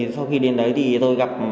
sau khi đến đấy tôi gặp